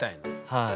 はい。